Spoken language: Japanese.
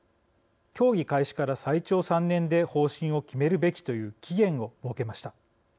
協議開始から最長３年で方針を決めるべきという期限を設けました。